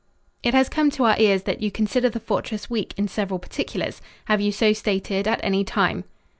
"It has come to our ears that you consider the fortress weak in several particulars. Have you so stated at any time?"